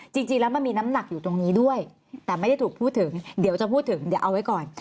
แต่ไม่ได้ถูกพูดถึงเดี๋ยวจะพูดถึงเดี๋ยวเอาไว้ก่อน